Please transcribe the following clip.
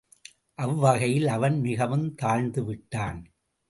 அவ்வகையில் அவன் மிகவும் தாழ்ந்து விட்டான்.